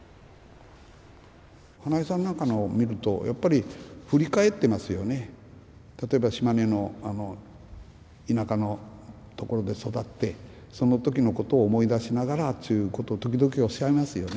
英恵さんなんかのを見るとやっぱり例えば島根の田舎のところで育ってその時のことを思い出しながらっちゅうこと時々おっしゃいますよね。